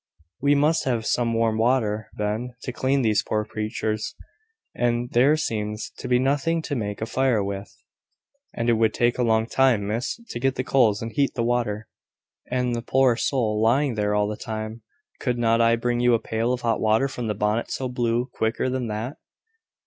"We must have some warm water, Ben, to clean these poor creatures; and there seems to be nothing to make a fire with." "And it would take a long time, Miss, to get the coals, and heat the water; and the poor soul lying there all the time. Could not I bring you a pail of hot water from the `Bonnet so Blue' quicker than that?"